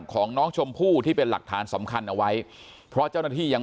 ของน้องชมพู่ที่เป็นหลักฐานสำคัญเอาไว้เพราะเจ้าหน้าที่ยัง